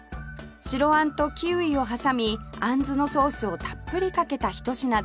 白あんとキウイを挟みあんずのソースをたっぷりかけたひと品です